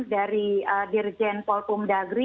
dari dirjen polpum dagri